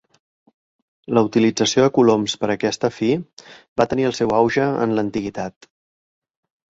La utilització de coloms per a aquesta fi va tenir el seu auge en l'Antiguitat.